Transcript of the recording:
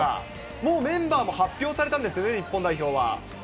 もうメンバーも発表されたんですよね、日本代表は。